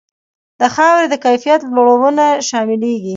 د خاورې د کیفیت لوړونه شاملیږي.